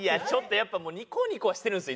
やっぱニコニコしてるんですよ